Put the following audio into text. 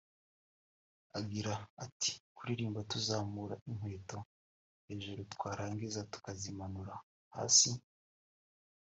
Agira ati “Kuririmba tuzamura inkweto hejuru twarangiza tukazimanura hasi